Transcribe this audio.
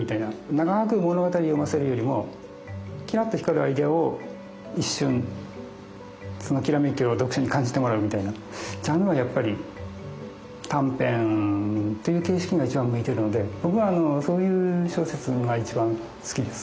長く物語を読ませるよりもキラッと光るアイデアを一瞬そのきらめきを読者に感じてもらうみたいなジャンルはやっぱり短編という形式が一番向いてるので僕はそういう小説が一番好きです。